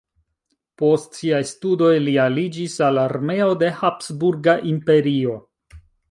Post siaj studoj li aliĝis al armeo de Habsburga Imperio.